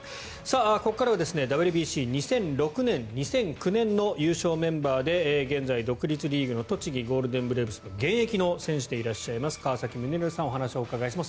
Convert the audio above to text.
ここからはＷＢＣ２００６年、２００９年の優勝メンバーで現在、独立リーグの栃木ゴールデンブレーブスの現役の選手でいらっしゃいます川崎宗則さんにお話をお伺いします。